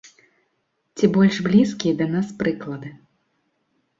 Ці больш блізкія да нас прыклады.